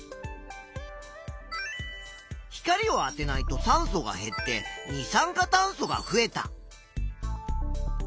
光をあてないと酸素が減って二酸化炭素が増えた。